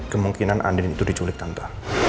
kemungkinan andin itu diculik tanpa